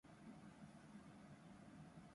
熊本県山都町